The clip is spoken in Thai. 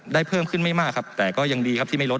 เพิ่มขึ้นไม่มากครับแต่ก็ยังดีครับที่ไม่ลด